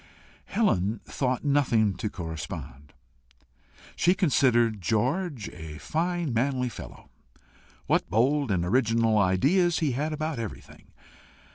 Helen thought nothing to correspond. She considered George a fine manly fellow. What bold and original ideas he had about everything!